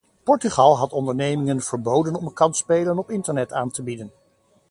Portugal had ondernemingen verboden om kansspelen op internet aan te bieden.